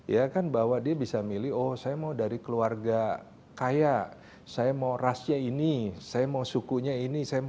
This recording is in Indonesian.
ya kan bahwa dia bisa milih oh saya mau dari keluarga kaya saya mau rasnya ini saya mau sukunya ini